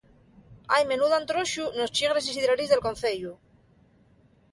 Hai menú d'Antroxu nos chigres y sidreríes del Conceyu.